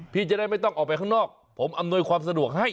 พี่จะได้ไม่ต้องออกไปข้างนอกผมอำนวยความสะดวกให้